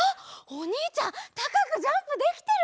おにいちゃんたかくジャンプできてる！